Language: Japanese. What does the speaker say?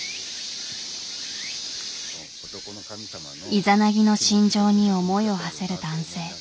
イザナギの心情に思いをはせる男性。